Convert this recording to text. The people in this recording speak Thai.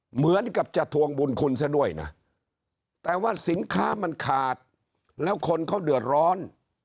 เหมือนกับจะทวงบุญคุณซะด้วยนะแต่ว่าสินค้ามันขาดแล้วคนเขาเดือดร้อน